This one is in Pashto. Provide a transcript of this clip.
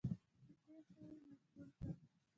په تېښته یې مجبور کړ.